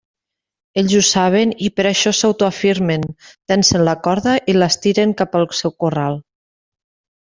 Ells ho saben i per això s'autoafirmen, tensen la corda i l'estiren cap al seu corral.